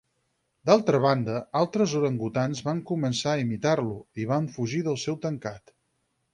D'altra banda, altres orangutans van començar a imitar-lo i van fugir del seu tancat.